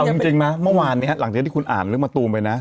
เอาจริงนะเมื่อวานนี้หลังจากที่คุณอ่านเรื่องมะตูมไปนะ